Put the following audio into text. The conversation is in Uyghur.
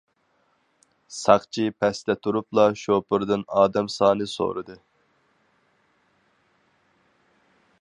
ساقچى پەستە تۇرۇپلا شوپۇردىن ئادەم سانى سورىدى.